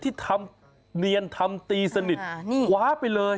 ที่ทำเนียนทำตีสนิทคว้าไปเลย